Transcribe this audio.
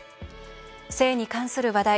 性に関する話題。